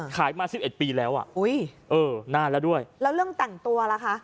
มาสิบเอ็ดปีแล้วอ่ะอุ้ยเออนานแล้วด้วยแล้วเรื่องแต่งตัวล่ะคะ